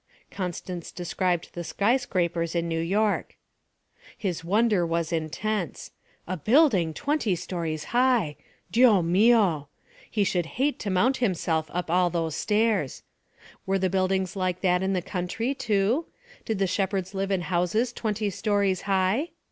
Constance described the sky scrapers in New York. His wonder was intense. A building twenty stories high! Dio mio! He should hate to mount himself up all those stairs. Were the buildings like that in the country too? Did the shepherds live in houses twenty stories high?